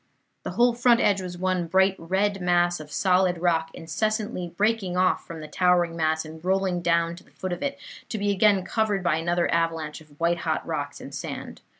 The whole front edge was one bright red mass of solid rock incessantly breaking off from the towering mass and rolling down to the foot of it, to be again covered by another avalanche of white hot rocks and sand.